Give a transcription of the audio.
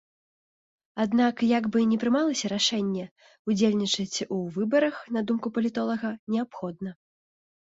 Аднак як бы ні прымалася рашэнне, удзельнічаць у выбарах, на думку палітолага, неабходна.